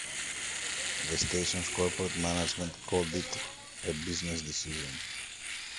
The station's corporate management called it a business decision.